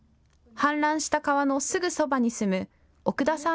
氾濫した川のすぐそばに住む奥田さん